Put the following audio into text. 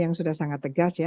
yang sudah sangat tegas ya